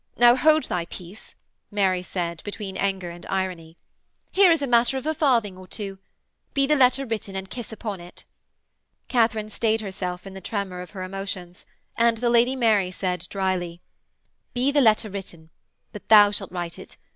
'Now hold thy peace,' Mary said, between anger and irony. 'Here is a matter of a farthing or two. Be the letter written, and kiss upon it.' Katharine stayed herself in the tremor of her emotions, and the Lady Mary said drily: 'Be the letter written. But thou shalt write it.